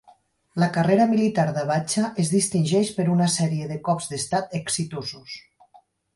La carrera militar d'Abacha es distingeix per una sèrie de cops d'estat exitosos.